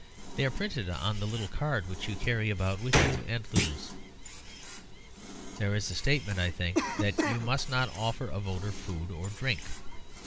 They are printed on the little card which you carry about with you and lose. There is a statement, I think, that you must not offer a voter food or drink.